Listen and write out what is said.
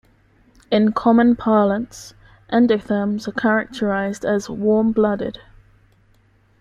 In common parlance, endotherms are characterized as "warm-blooded".